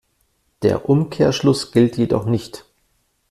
Der Umkehrschluss gilt jedoch nicht.